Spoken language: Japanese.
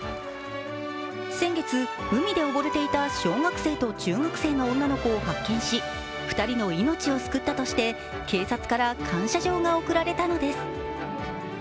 先月、海で溺れていた小学生と中学生の女の子を発見し２人の命を救ったとして警察から感謝状が贈られたのです。